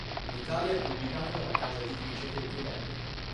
In Italia è pubblicata dalla casa editrice Feltrinelli.